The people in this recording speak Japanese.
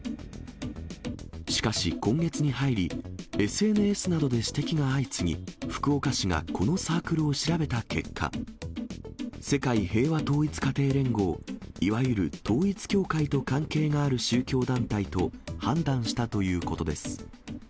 しかし今月に入り、ＳＮＳなどで指摘が相次ぎ、福岡市がこのサークルを調べた結果、世界平和統一家庭連合、いわゆる統一教会と関係がある宗教団体と判断したということです。